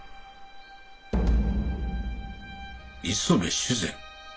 磯部主膳？